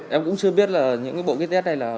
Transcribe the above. em cũng chưa biết là những bộ kit test này